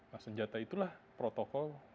nah senjata itulah protokol